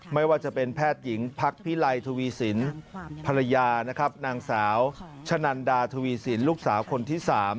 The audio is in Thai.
ไม่ว่าจะเป็นแพทย์หญิงพักพิไลทวีสินภรรยานะครับนางสาวชะนันดาทวีสินลูกสาวคนที่๓